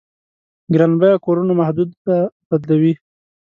ګران بيه کورونو محدوده بدلوي.